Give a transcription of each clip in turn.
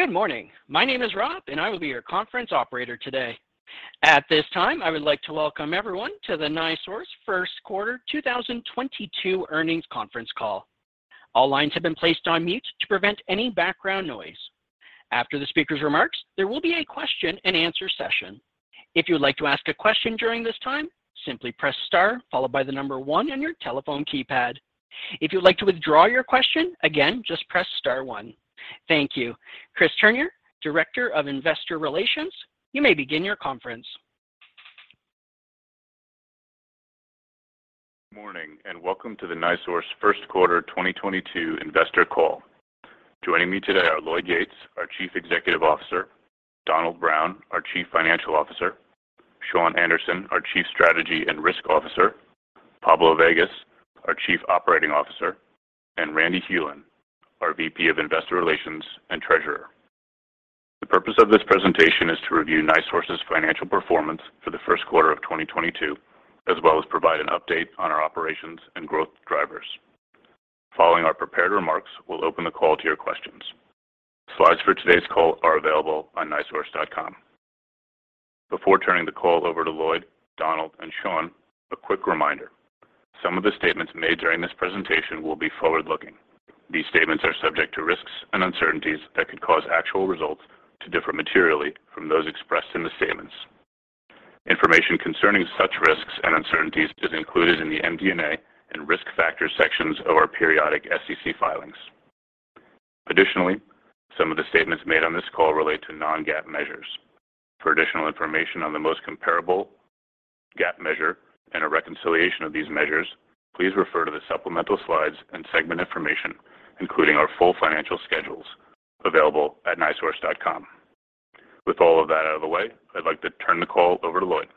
Good morning. My name is Rob, and I will be your conference operator today. At this time, I would like to welcome everyone to the NiSource Q1 2022 Earnings Conference Call. All lines have been placed on mute to prevent any background noise. After the speaker's remarks, there will be a question-and-answer session. If you would like to ask a question during this time, simply press star followed by the number one on your telephone keypad. If you would like to withdraw your question, again, just press star one. Thank you. Christopher Turnure, Director of Investor Relations, you may begin your conference. Morning, and welcome to the NiSource Q1 2022 Investor Call. Joining me today are Lloyd Yates, our Chief Executive Officer, Donald Brown, our Chief Financial Officer, Shawn Anderson, our Chief Strategy and Risk Officer, Pablo Vegas, our Chief Operating Officer, and Randy Hulin, our VP of Investor Relations and Treasurer. The purpose of this presentation is to review NiSource's financial performance for Q1 of 2022, as well as provide an update on our operations and growth drivers. Following our prepared remarks, we'll open the call to your questions. Slides for today's call are available on nisource.com. Before turning the call over to Lloyd, Donald, and Shawn. A quick reminder, some of the statements made during this presentation will be forward-looking. These statements are subject to risks and uncertainties that could cause actual results to differ materially from those expressed in the statements. Information concerning such risks and uncertainties is included in the MD&A and risk factors sections of our periodic SEC filings. Additionally, some of the statements made on this call relate to non-GAAP measures. For additional information on the most comparable GAAP measure and a reconciliation of these measures, please refer to the supplemental slides and segment information, including our full financial schedules available at nisource.com. With all of that out of the way, I'd like to turn the call over to Lloyd.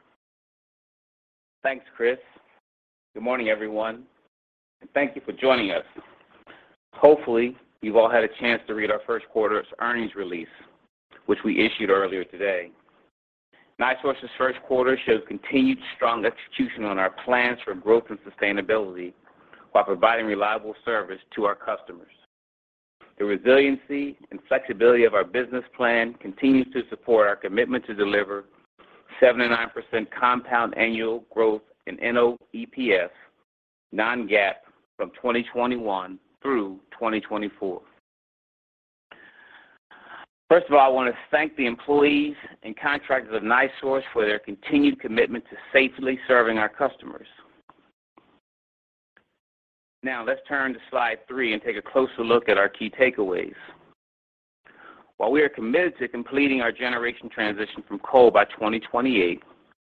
Thanks, Chris. Good morning, everyone, and thank you for joining us. Hopefully, you've all had a chance to read our Q1's earnings release, which we issued earlier today. NiSource's Q1 shows continued strong execution on our plans for growth and sustainability while providing reliable service to our customers. The resiliency and flexibility of our business plan continues to support our commitment to deliver 7%-9% compound annual growth in NOEPS non-GAAP from 2021 through 2024. First of all, I want to thank the employees and contractors of NiSource for their continued commitment to safely serving our customers. Now let's turn to slide three and take a closer look at our key takeaways. While we are committed to completing our generation transition from coal by 2028,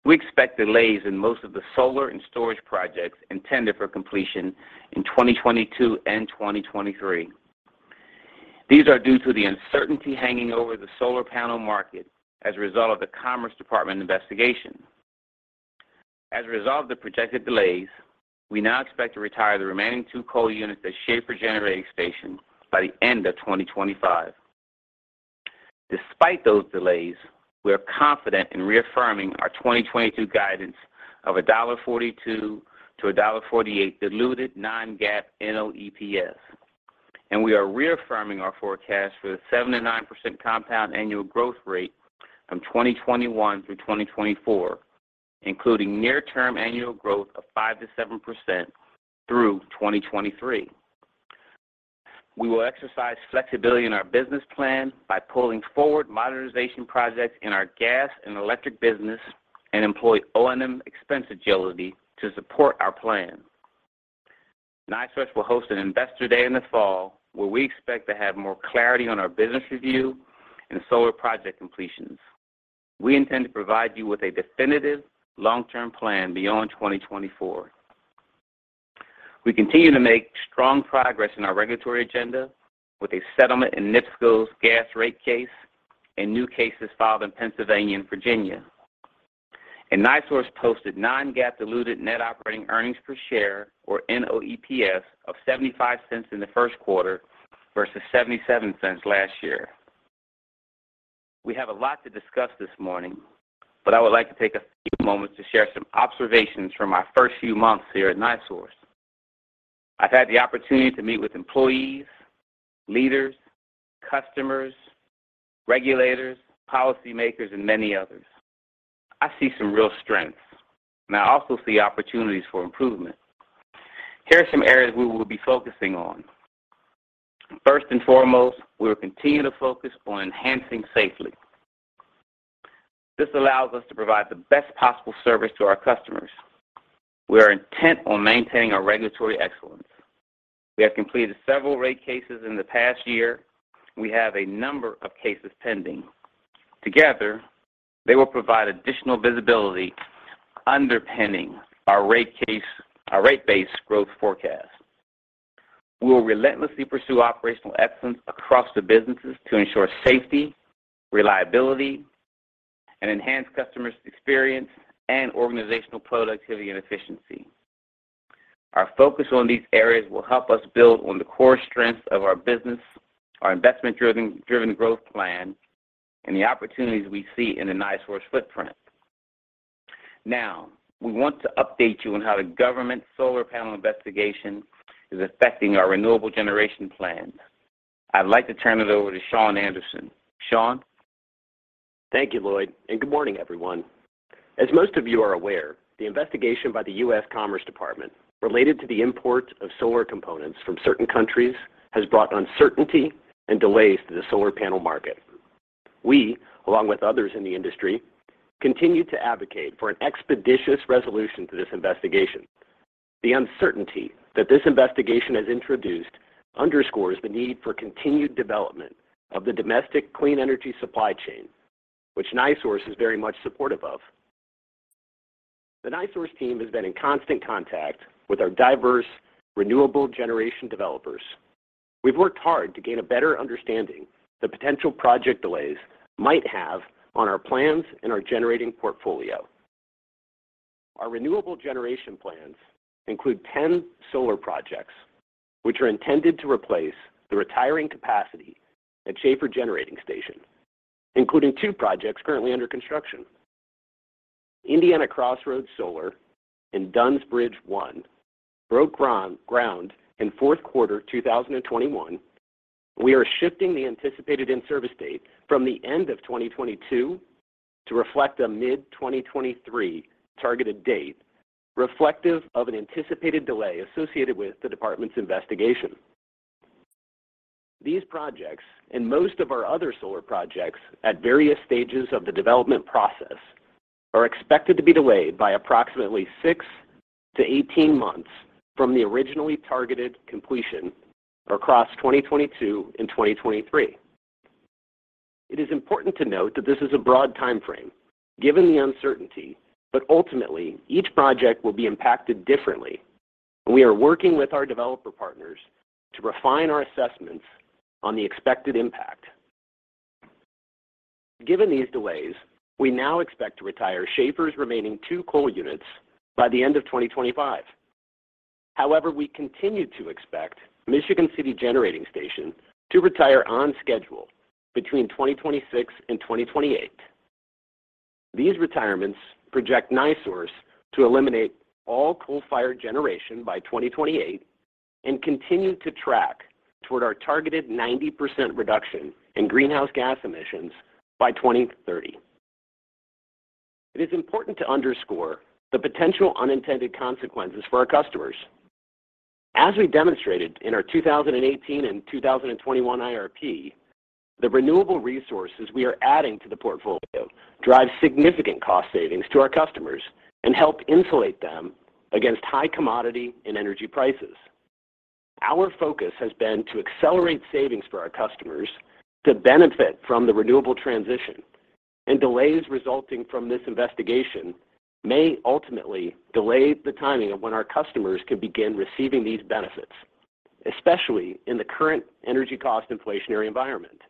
we expect delays in most of the solar and storage projects intended for completion in 2022 and 2023. These are due to the uncertainty hanging over the solar panel market as a result of the Department of Commerce investigation. As a result of the projected delays, we now expect to retire the remaining two coal units at Schahfer Generating Station by the end of 2025. Despite those delays, we are confident in reaffirming our 2022 guidance of $1.42-1.48 diluted non-GAAP NOEPS, and we are reaffirming our forecast for the 7%-9% compound annual growth rate from 2021 through 2024, including near term annual growth of 5%-7% through 2023. We will exercise flexibility in our business plan by pulling forward modernization projects in our gas and electric business and employ O&M expense agility to support our plan. NiSource will host an investor day in the fall where we expect to have more clarity on our business review and solar project completions. We intend to provide you with a definitive long-term plan beyond 2024. We continue to make strong progress in our regulatory agenda with a settlement in NIPSCO's gas rate case and new cases filed in Pennsylvania and Virginia. NiSource posted non-GAAP diluted net operating earnings per share or NOEPS of $0.75 in Q1 versus $0.77 last year. We have a lot to discuss this morning, but I would like to take a few moments to share some observations from my first few months here at NiSource. I've had the opportunity to meet with employees, leaders, customers, regulators, policymakers, and many others. I see some real strengths, and I also see opportunities for improvement. Here are some areas we will be focusing on. First and foremost, we will continue to focus on enhancing safety. This allows us to provide the best possible service to our customers. We are intent on maintaining our regulatory excellence. We have completed several rate cases in the past year. We have a number of cases pending. Together, they will provide additional visibility underpinning our rate base growth forecast. We will relentlessly pursue operational excellence across the businesses to ensure safety, reliability, and enhance customers' experience and organizational productivity and efficiency. Our focus on these areas will help us build on the core strengths of our business, our investment driven growth plan, and the opportunities we see in the NiSource footprint. Now, we want to update you on how the government solar panel investigation is affecting our renewable generation plans. I'd like to turn it over to Shawn Anderson. Shawn? Thank you, Lloyd, and good morning, everyone. As most of you are aware, the investigation by the U.S. Department of Commerce related to the import of solar components from certain countries has brought uncertainty and delays to the solar panel market. We, along with others in the industry, continue to advocate for an expeditious resolution to this investigation. The uncertainty that this investigation has introduced underscores the need for continued development of the domestic clean energy supply chain, which NiSource is very much supportive of. The NiSource team has been in constant contact with our diverse renewable generation developers. We've worked hard to gain a better understanding the potential project delays might have on our plans and our generating portfolio. Our renewable generation plans include 10 solar projects, which are intended to replace the retiring capacity at Schaefer Generating Station, including two projects currently under construction. Indiana Crossroads Solar and Dunns Bridge I broke ground in Q4 2021. We are shifting the anticipated in-service date from the end of 2022 to reflect a mid-2023 targeted date, reflective of an anticipated delay associated with the department's investigation. These projects and most of our other solar projects at various stages of the development process are expected to be delayed by approximately six to 18 months from the originally targeted completion across 2022 and 2023. It is important to note that this is a broad timeframe, given the uncertainty, but ultimately each project will be impacted differently. We are working with our developer partners to refine our assessments on the expected impact. Given these delays, we now expect to retire Schahfer's remaining two coal units by the end of 2025. However, we continue to expect Michigan City Generating Station to retire on schedule between 2026 and 2028. These retirements project NiSource to eliminate all coal-fired generation by 2028 and continue to track towards our targeted 90% reduction in greenhouse gas emissions by 2030. It is important to underscore the potential unintended consequences for our customers. As we demonstrated in our 2018 and 2021 IRP, the renewable resources we are adding to the portfolio drive significant cost savings to our customers and help insulate them against high commodity and energy prices. Our focus has been to accelerate savings for our customers to benefit from the renewable transition, and delays resulting from this investigation may ultimately delay the timing of when our customers can begin receiving these benefits, especially in the current energy cost inflationary environment.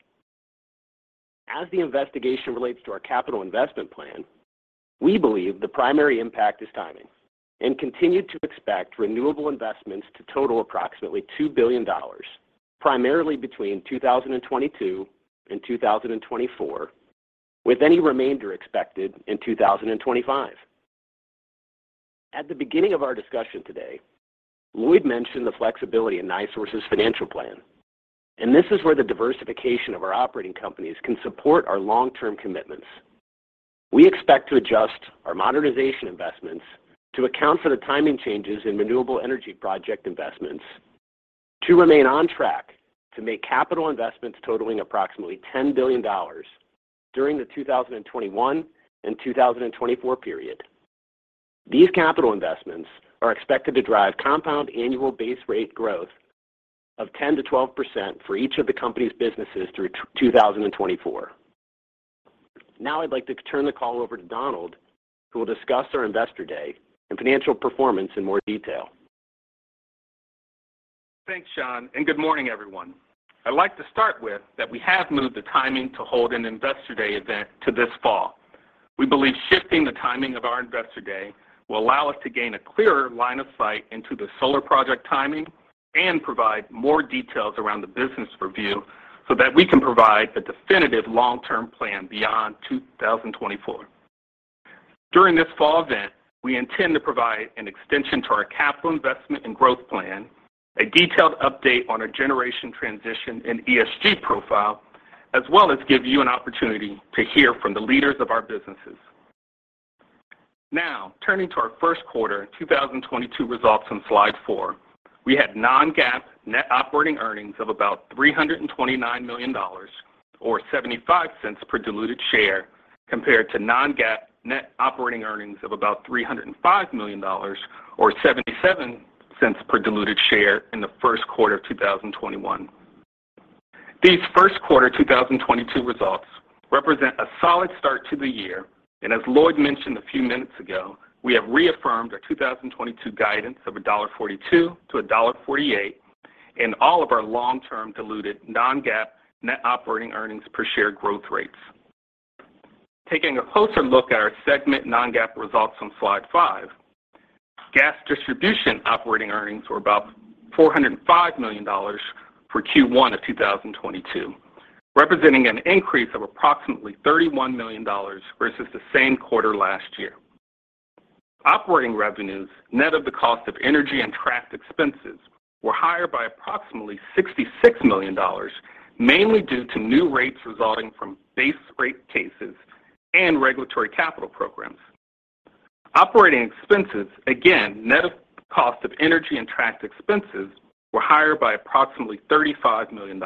As the investigation relates to our capital investment plan, we believe the primary impact is timing and continue to expect renewable investments to total approximately $2 billion, primarily between 2022 and 2024, with any remainder expected in 2025. At the beginning of our discussion today, Lloyd mentioned the flexibility in NiSource's financial plan, and this is where the diversification of our operating companies can support our long-term commitments. We expect to adjust our modernization investments to account for the timing changes in renewable energy project investments to remain on track to make capital investments totaling approximately $10 billion during the 2021 and 2024 period. These capital investments are expected to drive compound annual base rate growth of 10%-12% for each of the company's businesses through 2024. Now, I'd like to turn the call over to Donald, who will discuss our Investor Day and financial performance in more detail. Thanks, Shawn, and good morning, everyone. I'd like to start with that we have moved the timing to hold an Investor Day event to this fall. We believe shifting the timing of our Investor Day will allow us to gain a clearer line of sight into the solar project timing and provide more details around the business review so that we can provide a definitive long-term plan beyond 2024. During this fall event, we intend to provide an extension to our capital investment and growth plan, a detailed update on our generation transition and ESG profile, as well as give you an opportunity to hear from the leaders of our businesses. Now, turning to our Q1 2022 results on slide four. We had non-GAAP net operating earnings of about $329 million or 0.75 per diluted share, compared to non-GAAP net operating earnings of about $305 million or 0.77 per diluted share in the Q1 of 2021. These Q1 2022 results represent a solid start to the year, and as Lloyd mentioned a few minutes ago, we have reaffirmed our 2022 guidance of $1.42-1.48 in all of our long-term diluted non-GAAP net operating earnings per share growth rates. Taking a closer look at our segment non-GAAP results on slide five. Distribution operating earnings were about $405 million for Q1 of 2022, representing an increase of approximately $31 million versus the same quarter last year. Operating revenues, net of the cost of energy and tracked expenses, were higher by approximately $66 million, mainly due to new rates resulting from base rate cases and regulatory capital programs. Operating expenses, again, net of cost of energy and tracked expenses, were higher by approximately $35 million.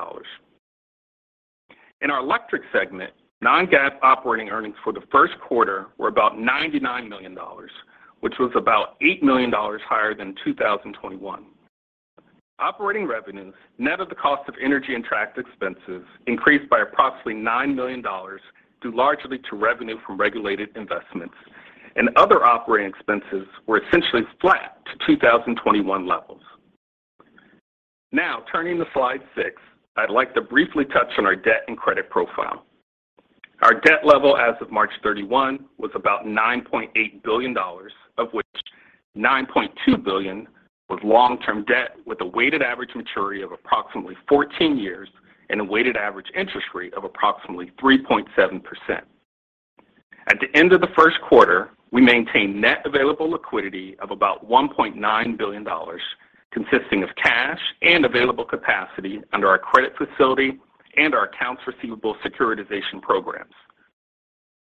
In our electric segment, non-GAAP operating earnings for Q1 were about $99 million, which was about 8 million higher than 2021. Operating revenues, net of the cost of energy and tracked expenses, increased by approximately $9 million due largely to revenue from regulated investments. Other operating expenses were essentially flat to 2021 levels. Now turning to slide six, I'd like to briefly touch on our debt and credit profile. Our debt level as of March 31 was about $9.8 billion, of which 9.2 billion was long-term debt with a weighted average maturity of approximately 14 years and a weighted average interest rate of approximately 3.7%. At the end of Q1, we maintained net available liquidity of about $1.9 billion, consisting of cash and available capacity under our credit facility and our accounts receivable securitization programs.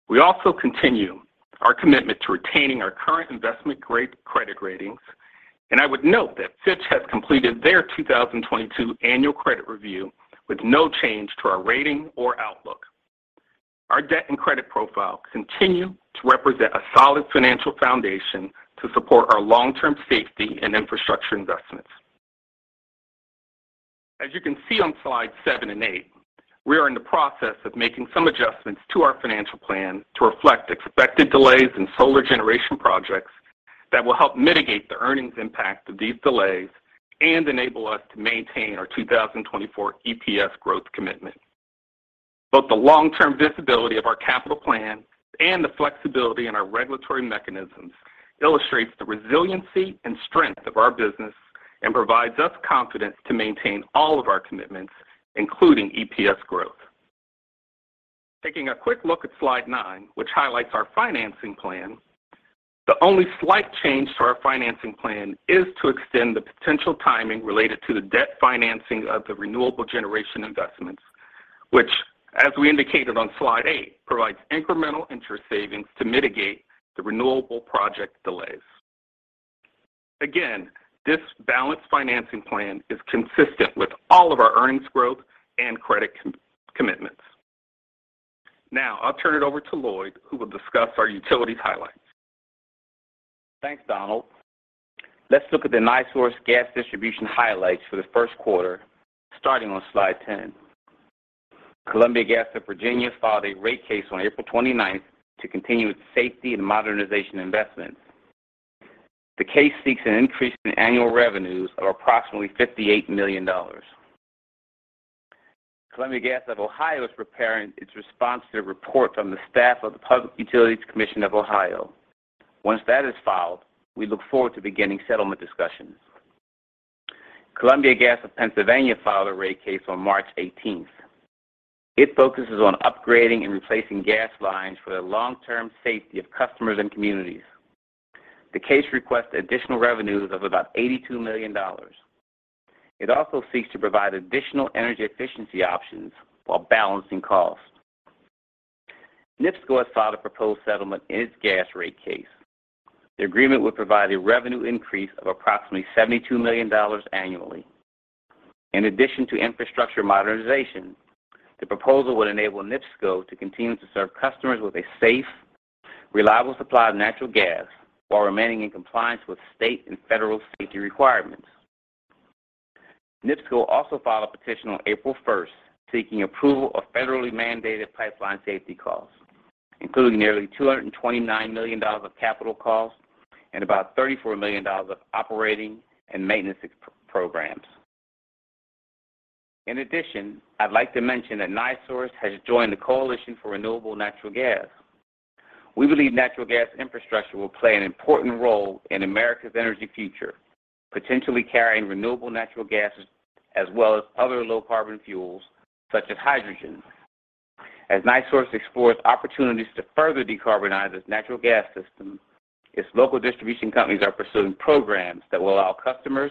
We also continue our commitment to retaining our current investment-grade credit ratings, and I would note that Fitch has completed their 2022 annual credit review with no change to our rating or outlook. Our debt and credit profile continue to represent a solid financial foundation to support our long-term safety and infrastructure investments. As you can see on slide seven and eight, we are in the process of making some adjustments to our financial plan to reflect expected delays in solar generation projects that will help mitigate the earnings impact of these delays and enable us to maintain our 2024 EPS growth commitment. Both the long-term visibility of our capital plan and the flexibility in our regulatory mechanisms illustrates the resiliency and strength of our business and provides us confidence to maintain all of our commitments, including EPS growth. Taking a quick look at slide nine, which highlights our financing plan, the only slight change to our financing plan is to extend the potential timing related to the debt financing of the renewable generation investments, which, as we indicated on slide eight, provides incremental interest savings to mitigate the renewable project delays. Again, this balanced financing plan is consistent with all of our earnings growth and credit commitments. Now I'll turn it over to Lloyd, who will discuss our utilities highlights. Thanks, Donald. Let's look at the NiSource gas distribution highlights for Q1, starting on slide 10. Columbia Gas of Virginia filed a rate case on April 29 to continue its safety and modernization investments. The case seeks an increase in annual revenues of approximately $58 million. Columbia Gas of Ohio is preparing its response to the report from the staff of the Public Utilities Commission of Ohio. Once that is filed, we look forward to beginning settlement discussions. Columbia Gas of Pennsylvania filed a rate case on March 18. It focuses on upgrading and replacing gas lines for the long-term safety of customers and communities. The case requests additional revenues of about $82 million. It also seeks to provide additional energy efficiency options while balancing costs. NIPSCO has filed a proposed settlement in its gas rate case. The agreement would provide a revenue increase of approximately $72 million annually. In addition to infrastructure modernization, the proposal would enable NIPSCO to continue to serve customers with a safe, reliable supply of natural gas while remaining in compliance with state and federal safety requirements. NIPSCO also filed a petition on April 1 seeking approval of federally mandated pipeline safety costs, including nearly $229 million of capital costs and about $34 million of operating and maintenance expenses. In addition, I'd like to mention that NiSource has joined the Coalition for Renewable Natural Gas. We believe natural gas infrastructure will play an important role in America's energy future, potentially carrying renewable natural gas, as well as other low carbon fuels such as hydrogen. As NiSource explores opportunities to further decarbonize its natural gas system, its local distribution companies are pursuing programs that will allow customers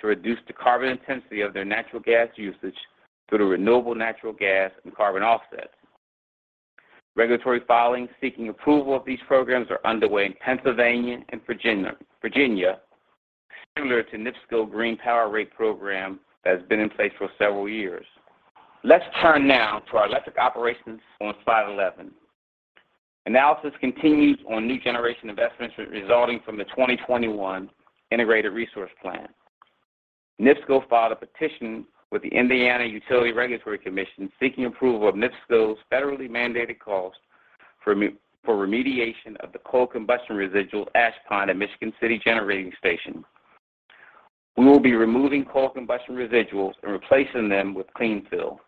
to reduce the carbon intensity of their natural gas usage through the renewable natural gas and carbon offsets. Regulatory filings seeking approval of these programs are underway in Pennsylvania and Virginia, similar to NIPSCO Green Power program that has been in place for several years. Let's turn now to our electric operations on slide 11. Analysis continues on new generation investments resulting from the 2021 integrated resource plan. NIPSCO filed a petition with the Indiana Utility Regulatory Commission seeking approval of NIPSCO's federally mandated costs for remediation of the coal combustion residual ash pond at Michigan City Generating Station. We will be removing coal combustion residuals and replacing them with clean fill.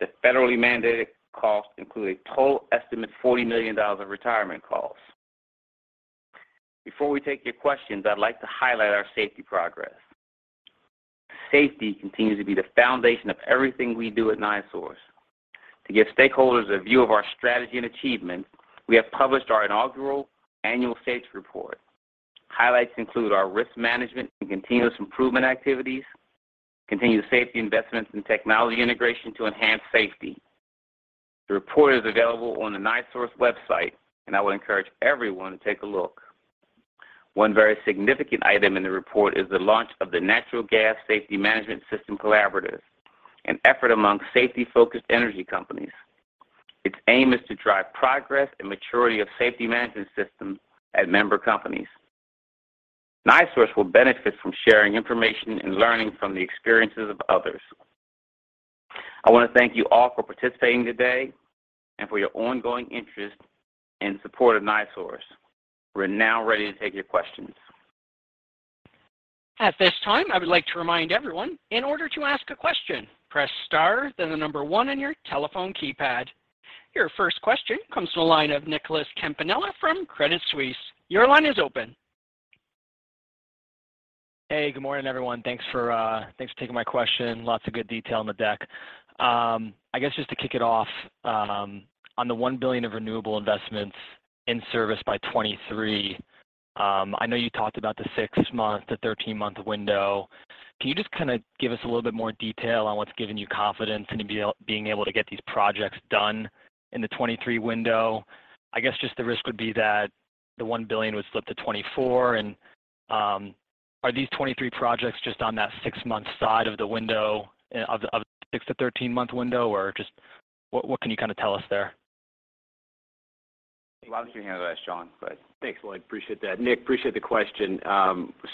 The federally mandated costs include a total estimated $40 million of retirement costs. Before we take your questions, I'd like to highlight our safety progress. Safety continues to be the foundation of everything we do at NiSource. To give stakeholders a view of our strategy and achievements, we have published our inaugural annual safety report. Highlights include our risk management and continuous improvement activities, continued safety investments in technology integration to enhance safety. The report is available on the NiSource website, and I would encourage everyone to take a look. One very significant item in the report is the launch of the Natural Gas Safety Management System Collaborative, an effort among safety-focused energy companies. Its aim is to drive progress and maturity of safety management systems at member companies. NiSource will benefit from sharing information and learning from the experiences of others. I want to thank you all for participating today and for your ongoing interest and support of NiSource. We're now ready to take your questions. At this time, I would like to remind everyone, in order to ask a question, press star, then the number one on your telephone keypad. Your first question comes from the line of Nicholas Campanella from Credit Suisse. Your line is open. Hey, good morning, everyone. Thanks for taking my question. Lots of good detail on the deck. I guess just to kick it off, on the $1 billion of renewable investments in service by 2023, I know you talked about the six to 13-months window. Can you just kind of give us a little bit more detail on what's giving you confidence in being able to get these projects done in the 2023 window? I guess just the risk would be that the $1 billion would slip to 2024. Are these 2023 projects just on that six months side of the window, of the six to 13-months window, or just what can you kind of tell us there? Why don't you handle that, Shawn? Go ahead. Thanks, Lloyd. Appreciate that. Nick, appreciate the question.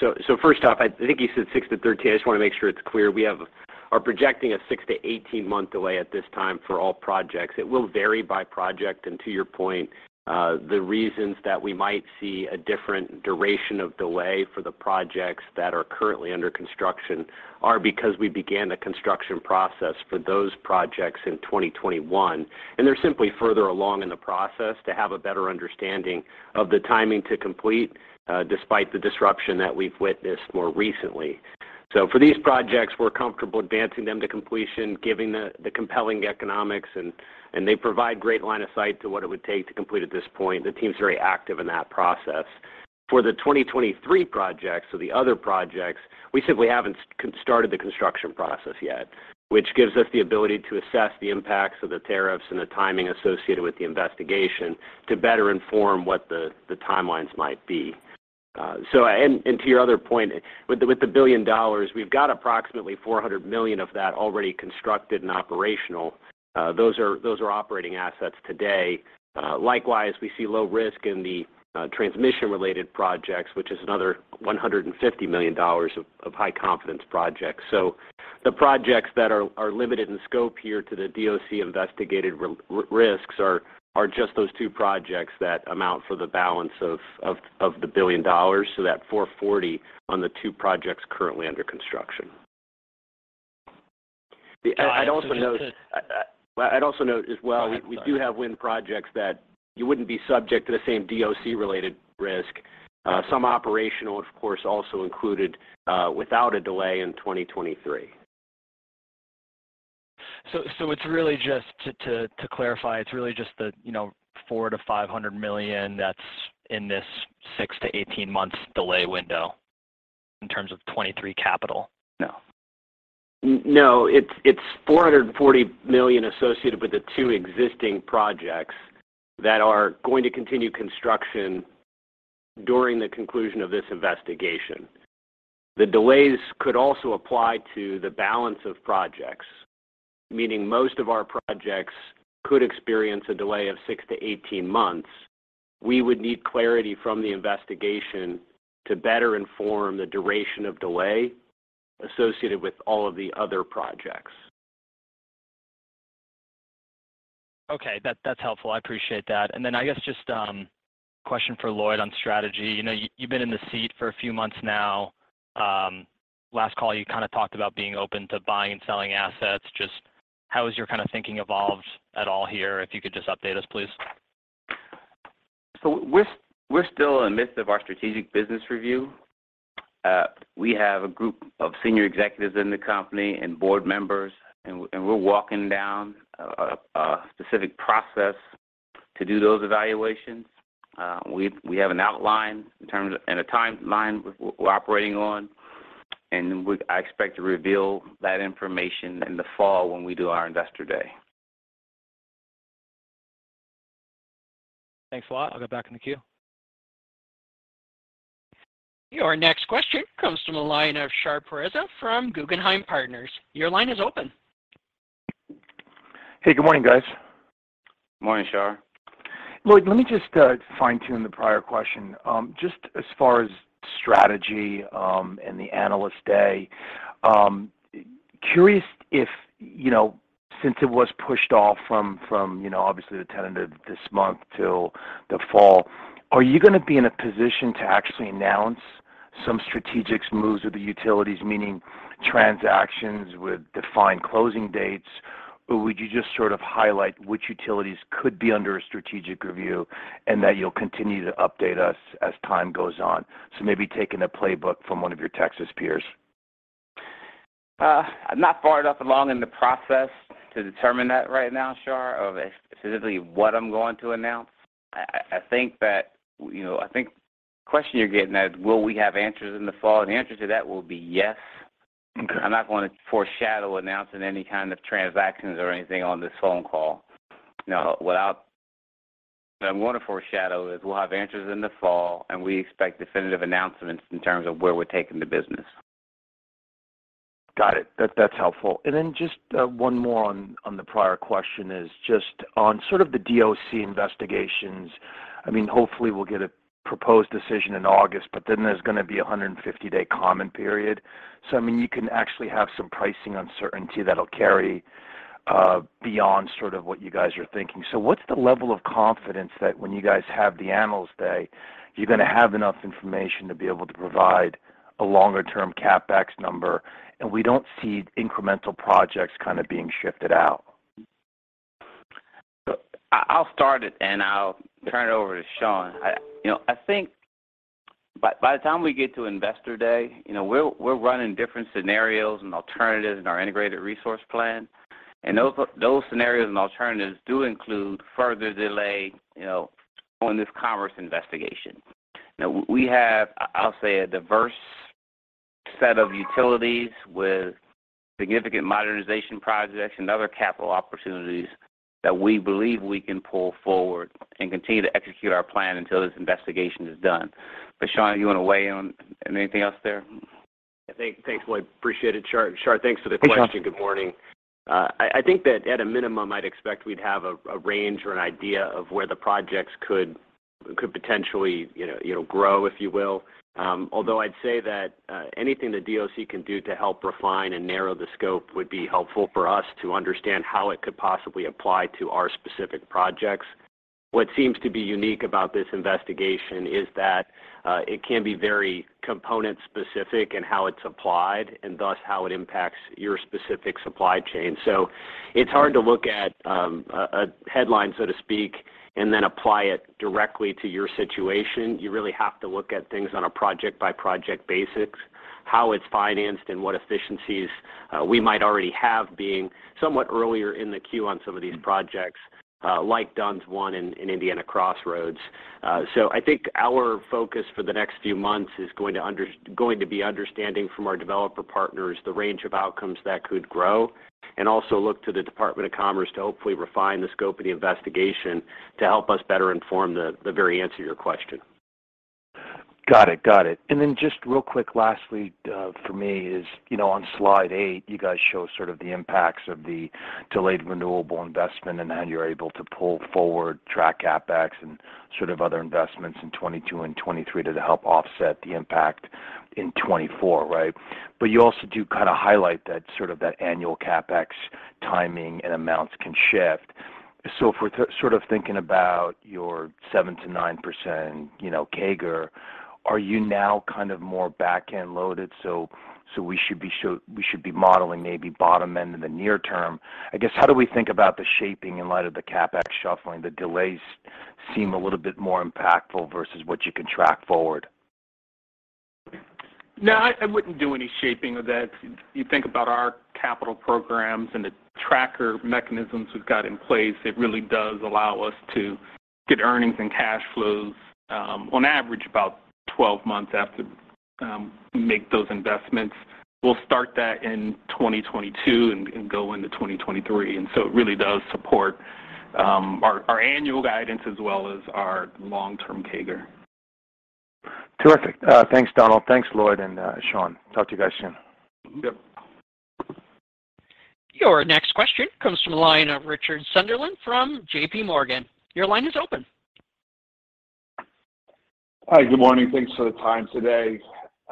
So first off, I think you said six to 13. I just want to make sure it's clear. We are projecting a six to 18 month delay at this time for all projects. It will vary by project. To your point, the reasons that we might see a different duration of delay for the projects that are currently under construction are because we began the construction process for those projects in 2021, and they're simply further along in the process to have a better understanding of the timing to complete, despite the disruption that we've witnessed more recently. For these projects, we're comfortable advancing them to completion, given the compelling economics and they provide great line of sight to what it would take to complete at this point. The team's very active in that process. For the 2023 projects, the other projects, we simply haven't started the construction process yet, which gives us the ability to assess the impacts of the tariffs and the timing associated with the investigation to better inform what the timelines might be. To your other point, with the $1 billion, we've got approximately $400 million of that already constructed and operational. Those are operating assets today. Likewise, we see low risk in the transmission-related projects, which is another $150 million of high-confidence projects. The projects that are limited in scope here to the DOC-investigated risks are just those two projects that account for the balance of the $1 billion, so that's $440 on the two projects currently under construction. Shawn, Well, I'd also note as well. Go ahead. Sorry. We do have wind projects that you wouldn't be subject to the same DOC-related risk. Some operational, of course, also included, without a delay in 2023. It's really just to clarify, it's really just the, you know, $400-500 million that's in this six to 18 months delay window in terms of 2023 capital? No, it's $440 million associated with the two existing projects that are going to continue construction during the conclusion of this investigation. The delays could also apply to the balance of projects, meaning most of our projects could experience a delay of six to 18 months. We would need clarity from the investigation to better inform the duration of delay associated with all of the other projects. Okay. That's helpful. I appreciate that. I guess just a question for Lloyd on strategy. You know, you've been in the seat for a few months now. Last call you kind of talked about being open to buying and selling assets. Just how has your kind of thinking evolved at all here? If you could just update us, please. We're still in the midst of our strategic business review. We have a group of senior executives in the company and board members and we're walking down a specific process to do those evaluations. We have an outline and a timeline we're operating on, and I expect to reveal that information in the fall when we do our Investor Day. Thanks a lot. I'll go back in the queue. Your next question comes from the line of Shar Pourreza from Guggenheim Partners. Your line is open. Hey, good morning, guys. Morning, Shar. Lloyd, let me just fine-tune the prior question. Just as far as strategy and the Analyst Day, curious if, you know, since it was pushed off from, you know, obviously the tenth of this month till the fall, are you gonna be in a position to actually announce some strategic moves with the utilities, meaning transactions with defined closing dates? Or would you just sort of highlight which utilities could be under a strategic review and that you'll continue to update us as time goes on? Maybe taking a playbook from one of your Texas peers. I'm not far enough along in the process to determine that right now, Shar, of specifically what I'm going to announce. I think that, you know, I think the question you're getting at is will we have answers in the fall? The answer to that will be yes. I'm not going to foreshadow announcing any kind of transactions or anything on this phone call. Now, what I'm gonna foreshadow is we'll have answers in the fall, and we expect definitive announcements in terms of where we're taking the business. Got it. That's helpful. Just one more on the prior question is just on sort of the DOC investigations. I mean, hopefully we'll get a proposed decision in August, but then there's gonna be a 150-day comment period. I mean, you can actually have some pricing uncertainty that'll carry beyond sort of what you guys are thinking. What's the level of confidence that when you guys have the Analyst Day, you're gonna have enough information to be able to provide a longer term CapEx number, and we don't see incremental projects kind of being shifted out? I'll start it and I'll turn it over to Shawn. You know, I think by the time we get to Investor Day, you know, we're running different scenarios and alternatives in our integrated resource plan. Those scenarios and alternatives do include further delay, you know, on this Commerce investigation. Now we have, I'll say, a diverse set of utilities with significant modernization projects and other capital opportunities that we believe we can pull forward and continue to execute our plan until this investigation is done. Shawn, you want to weigh in on anything else there? Thanks, Lloyd. Appreciate it. Shar, thanks for the question. Good morning. I think that at a minimum, I'd expect we'd have a range or an idea of where the projects could potentially, you know, grow, if you will. Although I'd say that anything the DOC can do to help refine and narrow the scope would be helpful for us to understand how it could possibly apply to our specific projects. What seems to be unique about this investigation is that it can be very component specific in how it's applied and thus how it impacts your specific supply chain. It's hard to look at a headline, so to speak, and then apply it directly to your situation. You really have to look at things on a project-by-project basis, how it's financed and what efficiencies we might already have being somewhat earlier in the queue on some of these projects, like Dunns Bridge I and Indiana Crossroads. I think our focus for the next few months is going to be understanding from our developer partners the range of outcomes that could grow, and also look to the Department of Commerce to hopefully refine the scope of the investigation to help us better inform the very answer to your question. Got it. Just real quick, lastly, for me is, you know, on slide eight, you guys show sort of the impacts of the delayed renewable investment and how you're able to pull forward tracked CapEx and sort of other investments in 2022 and 2023 to help offset the impact in 2024, right? You also do kind of highlight that that annual CapEx timing and amounts can shift. If we're sort of thinking about your 7%-9%, you know, CAGR, are you now kind of more back-end loaded, so we should be modeling maybe bottom end in the near term? I guess, how do we think about the shaping in light of the CapEx shuffling? The delays seem a little bit more impactful versus what you can pull forward. No, I wouldn't do any shaping of that. You think about our capital programs and the tracker mechanisms we've got in place. It really does allow us to get earnings and cash flows, on average about 12 months after we make those investments. We'll start that in 2022 and go into 2023. It really does support our annual guidance as well as our long-term CAGR. Terrific. Thanks, Donald. Thanks, Lloyd and Shawn. Talk to you guys soon. Yep. Your next question comes from the line of Richard Sunderland from JP Morgan. Your line is open. Hi, good morning. Thanks for the time today.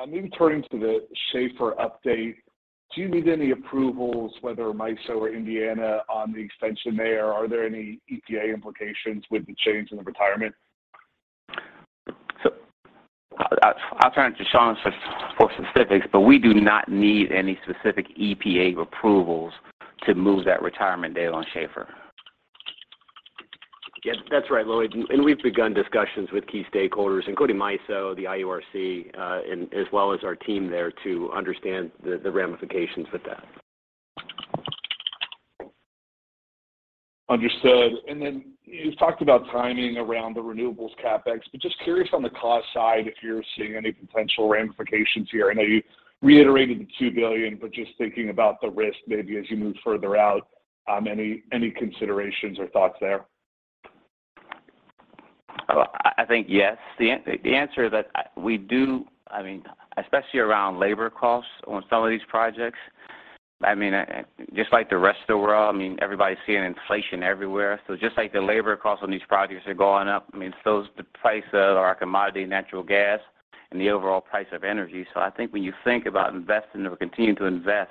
In turning to the Schahfer update, do you need any approvals, whether MISO or Indiana on the extension there? Are there any EPA implications with the change in the retirement? I'll turn it to Shawn for specifics, but we do not need any specific EPA approvals to move that retirement date on Schahfer. Yes, that's right, Lloyd. We've begun discussions with key stakeholders, including MISO, the IURC, and as well as our team there to understand the ramifications with that. Understood. You've talked about timing around the renewables CapEx, but just curious on the cost side, if you're seeing any potential ramifications here. I know you reiterated the $2 billion, but just thinking about the risk maybe as you move further out, any considerations or thoughts there? I think yes. The answer that we do, I mean, especially around labor costs on some of these projects. I mean, just like the rest of the world, I mean, everybody's seeing inflation everywhere. Just like the labor costs on these projects are going up, I mean, so is the price of our commodity, natural gas. The overall price of energy. I think when you think about investing or continuing to invest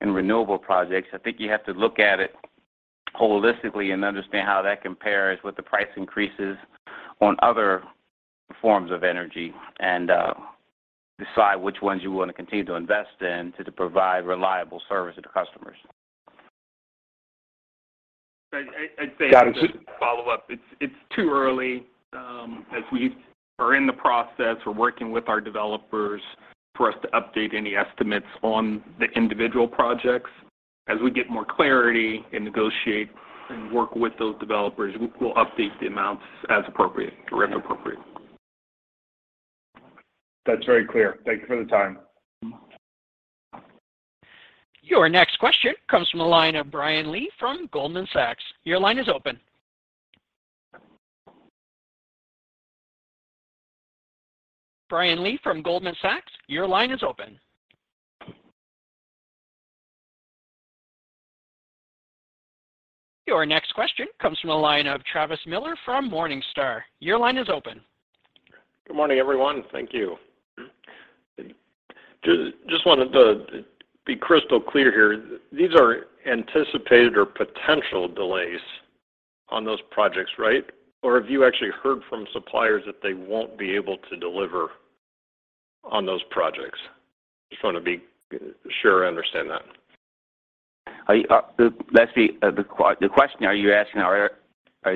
in renewable projects, I think you have to look at it holistically and understand how that compares with the price increases on other forms of energy and decide which ones you want to continue to invest in to provide reliable service to customers. I'd say..... Got it. Just to follow up. It's too early, as we are in the process, we're working with our developers for us to update any estimates on the individual projects. As we get more clarity and negotiate and work with those developers, we'll update the amounts as appropriate or if appropriate. That's very clear. Thank you for the time. Your next question comes from the line of Brian Lee from Goldman Sachs. Your line is open. Brian Lee from Goldman Sachs, your line is open. Your next question comes from the line of Travis Miller from Morningstar. Your line is open. Good morning, everyone. Thank you. Just wanted to be crystal clear here. These are anticipated or potential delays on those projects, right? Or have you actually heard from suppliers that they won't be able to deliver on those projects? Just want to be sure I understand that. The question, are you asking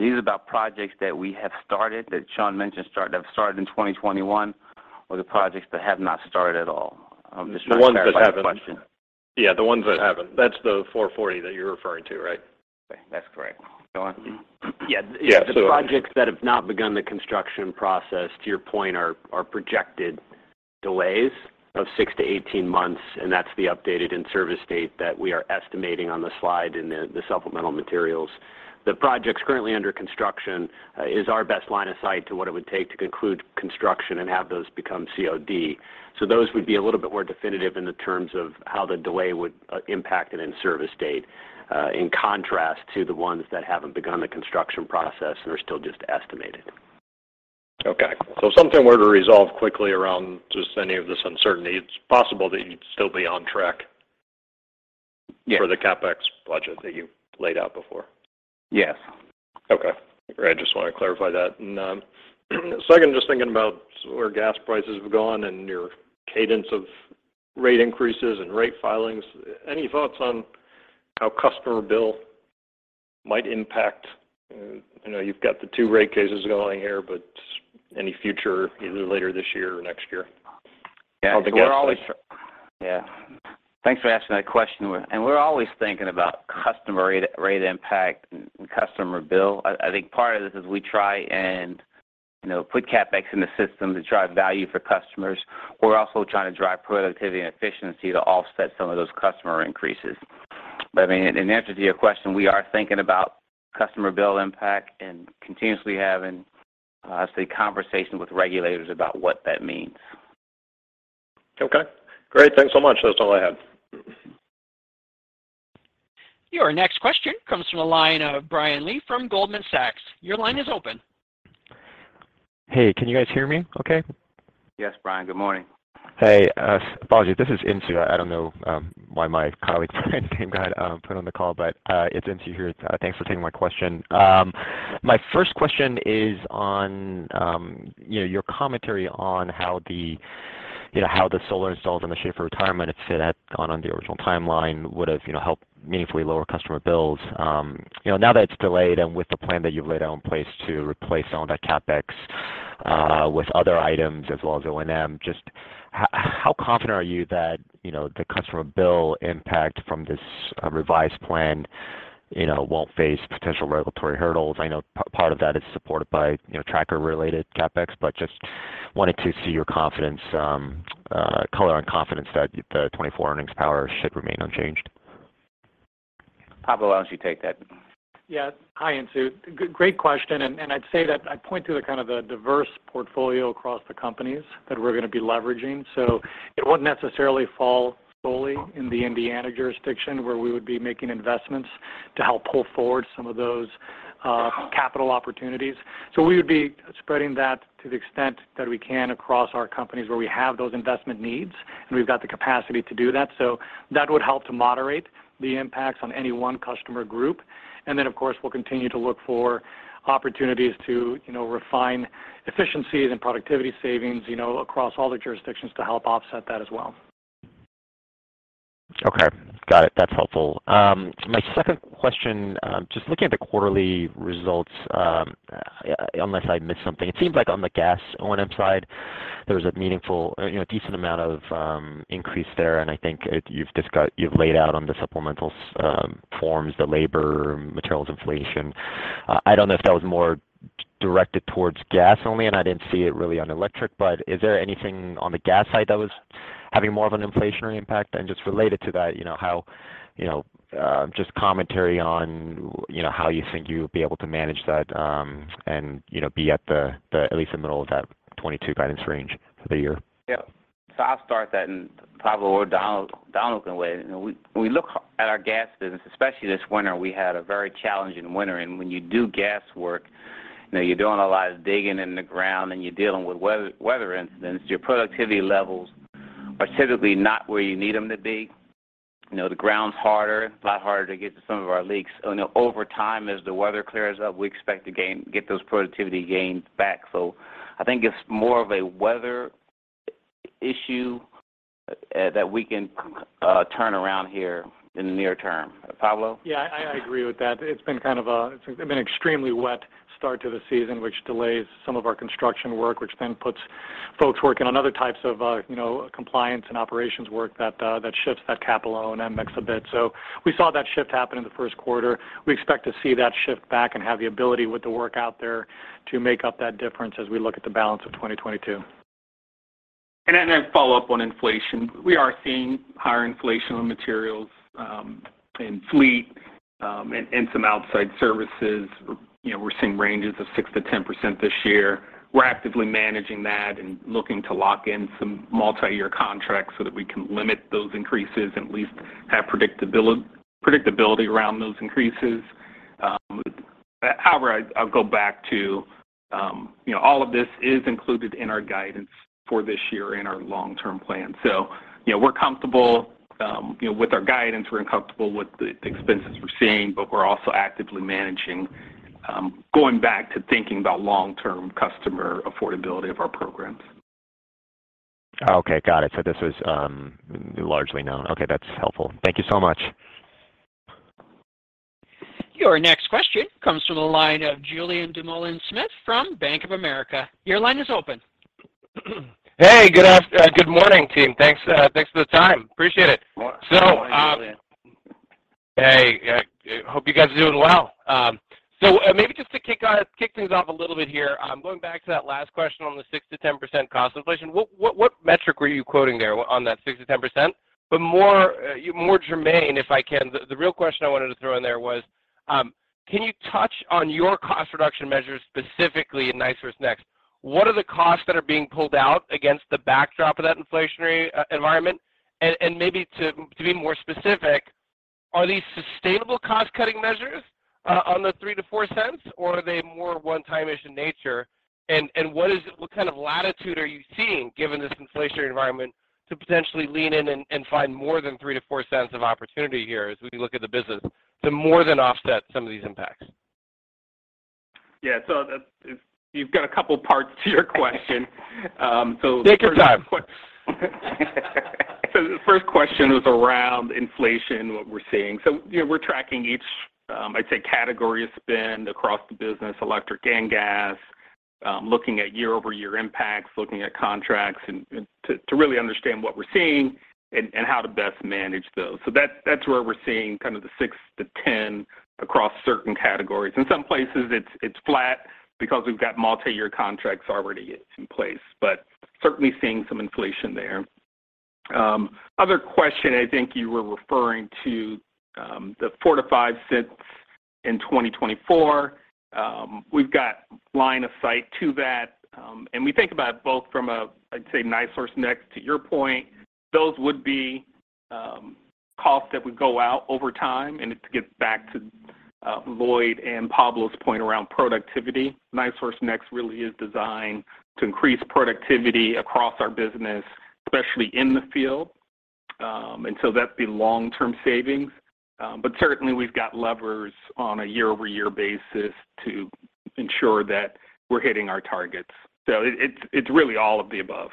these about projects that we have started, that Shawn mentioned that have started in 2021, or the projects that have not started at all? Just want to clarify the question. Yeah, the ones that haven't. That's the 440 that you're referring to, right? That's correct. Shawn? Yeah. Yeah. The projects that have not begun the construction process, to your point, are projected delays of six to 18 months, and that's the updated in-service date that we are estimating on the slide in the supplemental materials. The projects currently under construction is our best line of sight to what it would take to conclude construction and have those become COD. Those would be a little bit more definitive in the terms of how the delay would impact an in-service date, in contrast to the ones that haven't begun the construction process and are still just estimated. Okay. If something were to resolve quickly around just any of this uncertainty, it's possible that you'd still be on track. Yeah. For the CapEx budget that you laid out before. Yes. Okay. Great, just want to clarify that. Second, just thinking about where gas prices have gone and your cadence of rate increases and rate filings, any thoughts on how customer bill might impact? I know you've got the two rate cases going here, but any future, either later this year or next year? Yeah. Thanks for asking that question. We're always thinking about customer rate impact and customer bill. I think part of this is we try and, you know, put CapEx in the system to drive value for customers. We're also trying to drive productivity and efficiency to offset some of those customer increases. I mean, in answer to your question, we are thinking about customer bill impact and continuously having say conversation with regulators about what that means. Okay, great. Thanks so much. That's all I have. Your next question comes from the line of Brian Lee from Goldman Sachs. Your line is open. Hey, can you guys hear me okay? Yes, Brian. Good morning. Hey, apologies. This is Insoo. I don't know why my colleague Brian put on the call, but it's Insoo here. Thanks for taking my question. My first question is on your commentary on how the solar installs in the wake of retirement, if it had gone on the original timeline, would have helped meaningfully lower customer bills. Now that it's delayed and with the plan that you've laid out in place to replace some of that CapEx with other items as well as O&M, just how confident are you that the customer bill impact from this revised plan won't face potential regulatory hurdles? I know part of that is supported by, you know, tracker-related CapEx, but just wanted to see your confidence, color on confidence that the 2024 earnings power should remain unchanged. I'll probably let Pablo take that. Yeah. Hi, Insoo. Great question, and I'd say that I'd point to the kind of diverse portfolio across the companies that we're going to be leveraging. It wouldn't necessarily fall fully in the Indiana jurisdiction where we would be making investments to help pull forward some of those capital opportunities. We would be spreading that to the extent that we can across our companies where we have those investment needs, and we've got the capacity to do that. That would help to moderate the impacts on any one customer group. Then, of course, we'll continue to look for opportunities to, you know, refine efficiencies and productivity savings, you know, across all the jurisdictions to help offset that as well. Okay. Got it. That's helpful. My second question, just looking at the quarterly results, unless I missed something, it seems like on the gas O&M side, there was a meaningful or, you know, a decent amount of increase there. I think you've laid out on the supplemental forms, the labor, materials inflation. I don't know if that was more directed towards gas only, and I didn't see it really on electric. Is there anything on the gas side that was having more of an inflationary impact? Just related to that, you know, commentary on how you think you'll be able to manage that, and, you know, be at least the middle of that 2022 guidance range for the year? I'll start that, and Pablo or Donald can weigh in. When we look at our gas business, especially this winter, we had a very challenging winter. When you do gas work, you know, you're doing a lot of digging in the ground and you're dealing with weather incidents. Your productivity levels are typically not where you need them to be. You know, the ground's harder, a lot harder to get to some of our leaks. Now over time, as the weather clears up, we expect to get those productivity gains back. I think it's more of a weather issue that we can turn around here in the near term. Pablo? Yeah, I agree with that. It's been an extremely wet start to the season, which delays some of our construction work, which then puts folks working on other types of compliance and operations work that shifts that CapEx and OpEx mix a bit. We saw that shift happen in Q1. We expect to see that shift back and have the ability with the work out there to make up that difference as we look at the balance of 2022. I follow up on inflation. We are seeing higher inflation on materials, in fleet, and some outside services. You know, we're seeing ranges of 6%-10% this year. We're actively managing that and looking to lock in some multiyear contracts so that we can limit those increases, at least have predictability around those increases. However, I'll go back to, you know, all of this is included in our guidance for this year in our long-term plan. You know, we're comfortable with our guidance. We're comfortable with the expenses we're seeing, but we're also actively managing, going back to thinking about long-term customer affordability of our programs. Okay. Got it. This was largely known. Okay. That's helpful. Thank you so much. Your next question comes from the line of Julien Dumoulin-Smith from Bank of America. Your line is open. Hey, good morning, team. Thanks for the time. Appreciate it. Good morning, Julien. Hey, I hope you guys are doing well. Maybe just to kick things off a little bit here, I'm going back to that last question on the 6%-10% cost inflation. What metric were you quoting there on that 6%-10%? But more germane, if I can, the real question I wanted to throw in there was, can you touch on your cost reduction measures, specifically in NiSource Next? What are the costs that are being pulled out against the backdrop of that inflationary environment? And maybe to be more specific, are these sustainable cost-cutting measures on the $0.03-0.04, or are they more one-time-ish in nature? What kind of latitude are you seeing given this inflationary environment to potentially lean in and find more than $0.03-0.04 of opportunity here as we look at the business to more than offset some of these impacts? Yeah. You've got a couple parts to your question. Take your time. The first question was around inflation, what we're seeing. You know, we're tracking each, I'd say category of spend across the business, electric and gas, looking at year-over-year impacts, looking at contracts and to really understand what we're seeing and how to best manage those. That's where we're seeing kind of the 6%-10% across certain categories. In some places it's flat because we've got multiyear contracts already in place, but certainly seeing some inflation there. Other question I think you were referring to, the $0.04-0.05 in 2024. We've got line of sight to that. And we think about both from, I'd say, NiSource Next to your point. Those would be costs that would go out over time, and it gets back to Lloyd and Pablo's point around productivity. NiSource Next really is designed to increase productivity across our business, especially in the field. That's the long-term savings. Certainly we've got levers on a year-over-year basis to ensure that we're hitting our targets. It's really all of the above.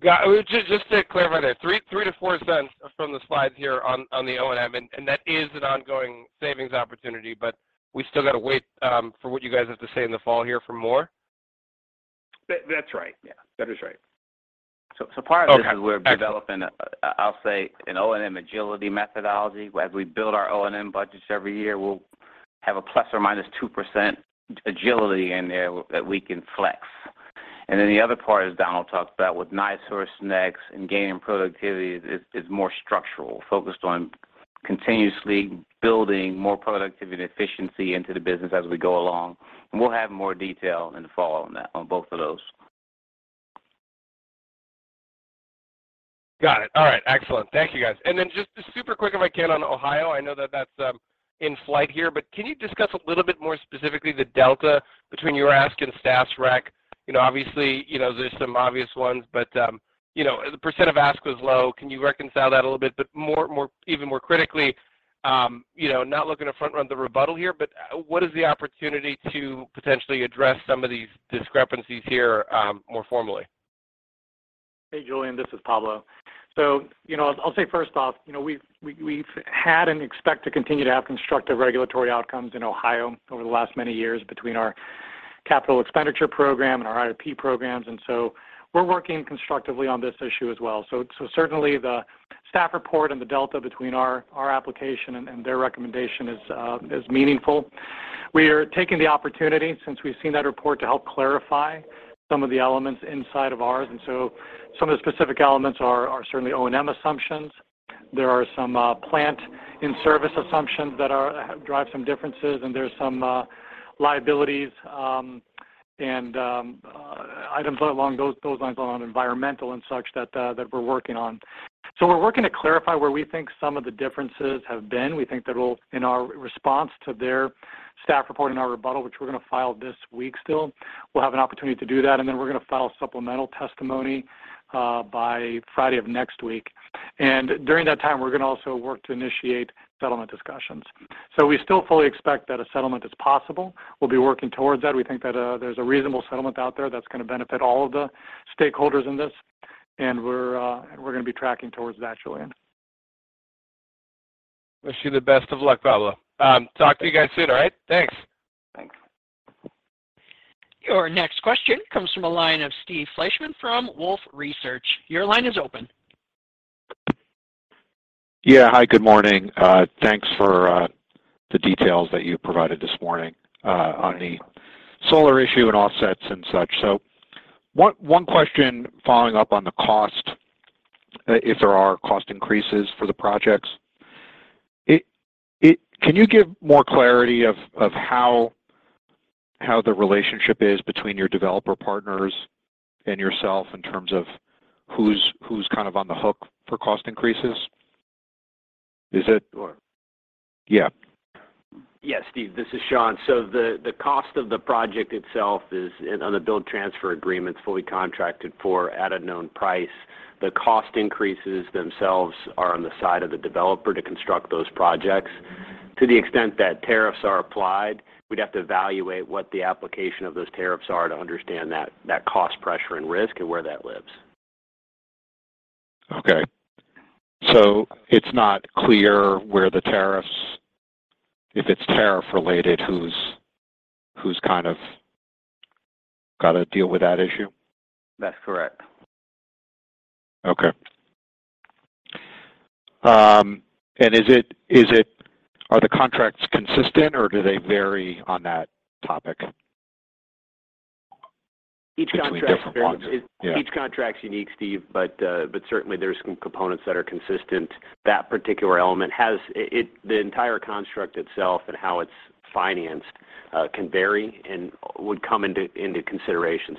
Got it. Just to clarify that $0.03-0.04 from the slide here on the O&M, and that is an ongoing savings opportunity. We still got to wait for what you guys have to say in the fall here for more? That's right. Yeah. That is right. Part of this is we're developing, I'll say an O&M agility methodology. As we build our O&M budgets every year, we'll have a ±2% agility in there that we can flex. The other part, as Donald talked about with NiSource Next and gaining productivity is more structural, focused on continuously building more productivity and efficiency into the business as we go along. We'll have more detail in the fall on that, on both of those. Got it. All right. Excellent. Thank you guys. Just super quick if I can on Ohio. I know that that's in flight here, but can you discuss a little bit more specifically the delta between your ask and staff's rec? You know, obviously, you know, there's some obvious ones, but you know, the percent of ask was low. Can you reconcile that a little bit? More even more critically, you know, not looking to front run the rebuttal here, but what is the opportunity to potentially address some of these discrepancies here, more formally? Hey, Julien, this is Pablo. You know, I'll say first off, you know, we've had and expect to continue to have constructive regulatory outcomes in Ohio over the last many years between our capital expenditure program and our IRP programs. We're working constructively on this issue as well. Certainly the staff report and the delta between our application and their recommendation is meaningful. We are taking the opportunity since we've seen that report to help clarify some of the elements inside of ours. Some of the specific elements are certainly O&M assumptions. There are some plant in-service assumptions that drive some differences, and there's some liabilities and items along those lines on environmental and such that we're working on. We're working to clarify where we think some of the differences have been. We think that'll, in our response to their staff report in our rebuttal, which we're gonna file this week still, we'll have an opportunity to do that. Then we're gonna file supplemental testimony by Friday of next week. During that time, we're gonna also work to initiate settlement discussions. We still fully expect that a settlement is possible. We'll be working towards that. We think that there's a reasonable settlement out there that's gonna benefit all of the stakeholders in this, and we're gonna be tracking towards that, Julien. Wish you the best of luck, Pablo. Talk to you guys soon. All right? Thanks. Thanks. Your next question comes from the line of Steve Fleishman with Wolfe Research. Your line is open. Hi, good morning. Thanks for the details that you provided this morning on the solar issue and offsets and such. One question following up on the cost, if there are cost increases for the projects. Can you give more clarity on how the relationship is between your developer partners and yourself in terms of who's kind of on the hook for cost increases? Yes, Steve, this is Shawn. The cost of the project itself is on the build-transfer agreement, it's fully contracted for at a known price. The cost increases themselves are on the side of the developer to construct those projects. To the extent that tariffs are applied, we'd have to evaluate what the application of those tariffs are to understand that cost pressure and risk and where that lives. Okay. It's not clear where the tariffs, if it's tariff related, who's kind of got to deal with that issue? That's correct. Okay. Are the contracts consistent, or do they vary on that topic between different projects? Yeah. Each contract's unique, Steve, but certainly there's some components that are consistent. That particular element has it, the entire construct itself and how it's financed, can vary and would come into consideration.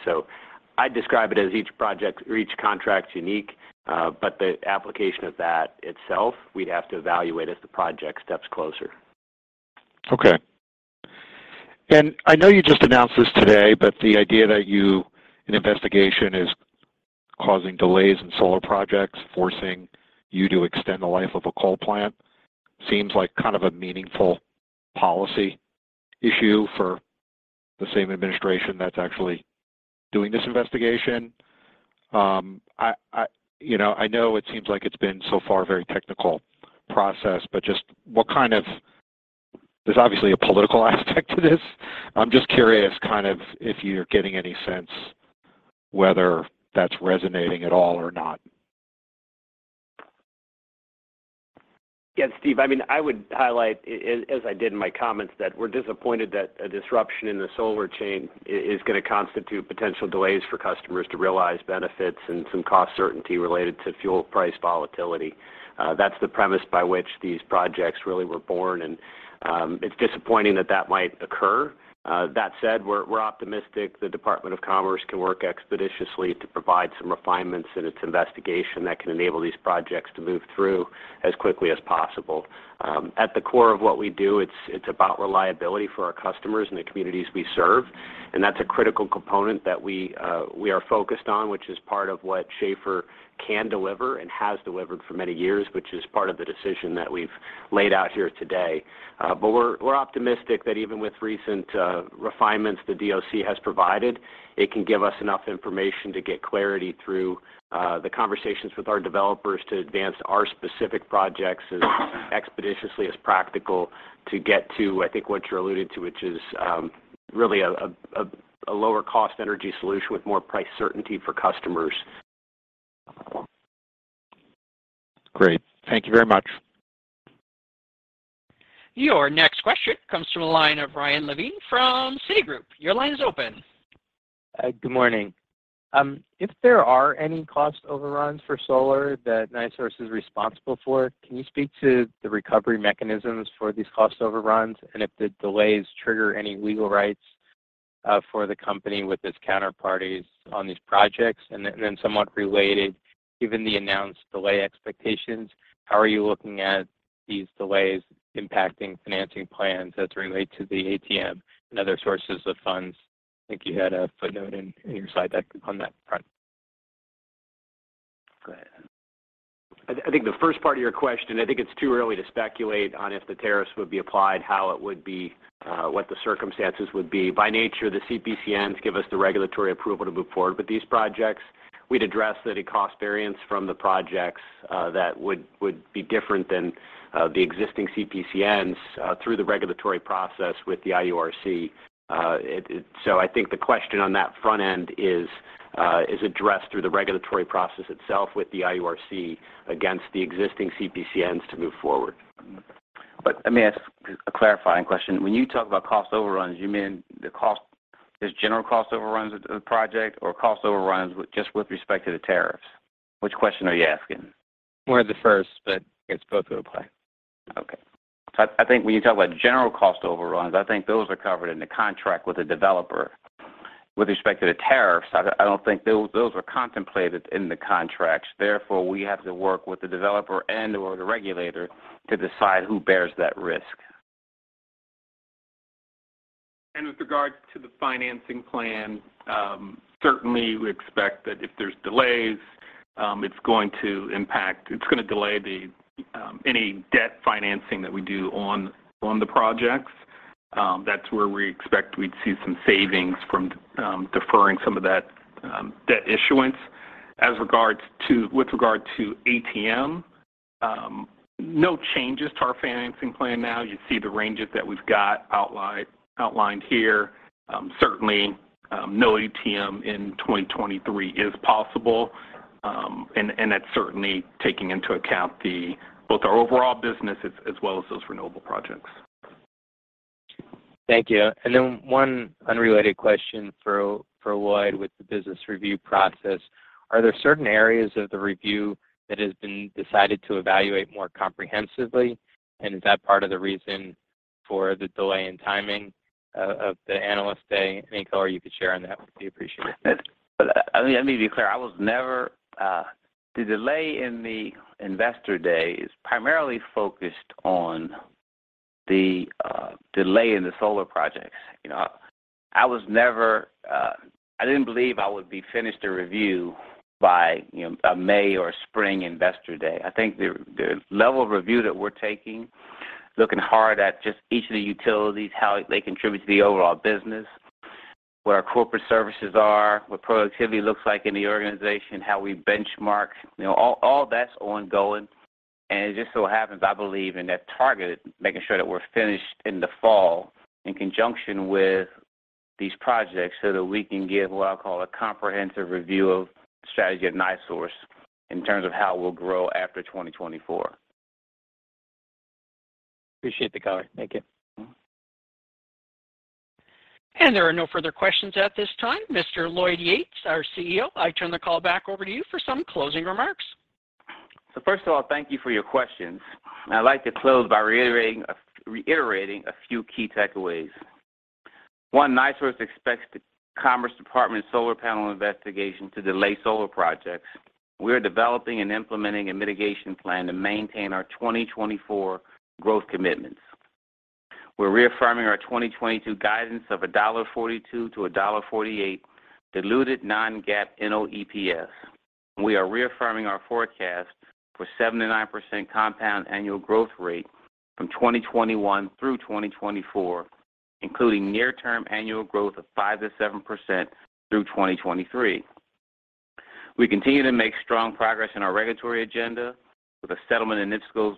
I describe it as each project or each contract's unique, but the application of that itself, we'd have to evaluate as the project steps closer. Okay. I know you just announced this today, but the idea that an investigation is causing delays in solar projects, forcing you to extend the life of a coal plant, seems like kind of a meaningful policy issue for the same administration that's actually doing this investigation. You know, I know it seems like it's been so far very technical process. There's obviously a political aspect to this. I'm just curious kind of if you're getting any sense whether that's resonating at all or not. Yeah, Steve, I mean, I would highlight, as I did in my comments, that we're disappointed that a disruption in the solar chain is going to constitute potential delays for customers to realize benefits and some cost certainty related to fuel price volatility. That's the premise by which these projects really were born, and it's disappointing that that might occur. That said, we're optimistic the Department of Commerce can work expeditiously to provide some refinements in its investigation that can enable these projects to move through as quickly as possible. At the core of what we do, it's about reliability for our customers and the communities we serve. That's a critical component that we are focused on, which is part of what Schahfer can deliver and has delivered for many years, which is part of the decision that we've laid out here today. We're optimistic that even with recent refinements the DOC has provided, it can give us enough information to get clarity through the conversations with our developers to advance our specific projects as expeditiously as practical to get to, I think, what you're alluding to, which is really a lower cost energy solution with more price certainty for customers. Great. Thank you very much. Your next question comes from the line of Ryan Levine from Citigroup. Your line is open. Good morning. If there are any cost overruns for solar that NiSource is responsible for, can you speak to the recovery mechanisms for these cost overruns and if the delays trigger any legal rights for the company with its counterparties on these projects? Somewhat related, given the announced delay expectations, how are you looking at these delays impacting financing plans as they relate to the ATM and other sources of funds? I think you had a footnote in your slide deck on that front. I think the first part of your question, I think it's too early to speculate on if the tariffs would be applied, how it would be, what the circumstances would be. By nature, the CPCNs give us the regulatory approval to move forward with these projects. We'd address any cost variance from the projects, that would be different than the existing CPCNs, through the regulatory process with the IURC. I think the question on that front end is addressed through the regulatory process itself with the IURC against the existing CPCNs to move forward. Let me ask a clarifying question. When you talk about cost overruns, you mean the cost, just general cost overruns of the project or cost overruns with just with respect to the tariffs? Which question are you asking? More of the first, but I guess both are okay. Okay. I think when you talk about general cost overruns, I think those are covered in the contract with the developer. With respect to the tariffs, I don't think those are contemplated in the contracts. Therefore, we have to work with the developer and/or the regulator to decide who bears that risk. With regards to the financing plan, certainly we expect that if there's delays, it's gonna delay the any debt financing that we do on the projects. That's where we expect we'd see some savings from deferring some of that debt issuance. With regard to ATM, no changes to our financing plan now. You see the ranges that we've got outlined here. Certainly, no ATM in 2023 is possible, and that's certainly taking into account the both our overall business as well as those renewable projects. Thank you. One unrelated question for Lloyd with the business review process. Are there certain areas of the review that has been decided to evaluate more comprehensively? Is that part of the reason for the delay in timing of the Analyst Day? Any color you could share on that would be appreciated. Let me be clear. The delay in the Investor Day is primarily focused on the delay in the solar projects. You know, I was never, I didn't believe I would be finished a review by, you know, a May or spring Investor Day. I think the level of review that we're taking, looking hard at just each of the utilities, how they contribute to the overall business, where our corporate services are, what productivity looks like in the organization, how we benchmark, you know, all that's ongoing. It just so happens, I believe, in that target, making sure that we're finished in the fall in conjunction with these projects, so that we can give what I call a comprehensive review of strategy at NiSource in terms of how we'll grow after 2024. Appreciate the color. Thank you. Mm-hmm. There are no further questions at this time. Mr. Lloyd Yates, our CEO, I turn the call back over to you for some closing remarks. First of all, thank you for your questions. I'd like to close by reiterating a few key takeaways. One, NiSource expects the Department of Commerce solar panel investigation to delay solar projects. We're developing and implementing a mitigation plan to maintain our 2024 growth commitments. We're reaffirming our 2022 guidance of $1.42-1.48 diluted non-GAAP NOEPS. We are reaffirming our forecast for 7%-9% compound annual growth rate from 2021 through 2024, including near term annual growth of 5%-7% through 2023. We continue to make strong progress in our regulatory agenda with a settlement in NIPSCO's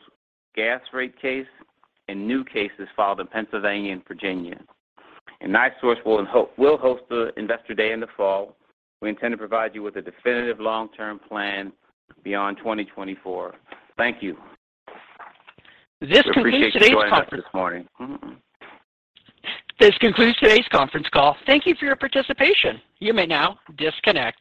gas rate case and new cases filed in Pennsylvania and Virginia. NiSource will host the Investor Day in the fall. We intend to provide you with a definitive long-term plan beyond 2024. Thank you. This concludes today's conference. We appreciate you joining us this morning. This concludes today's conference call. Thank you for your participation. You may now disconnect.